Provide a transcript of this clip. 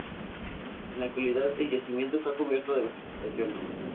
En la actualidad el yacimiento está cubierto de vegetación.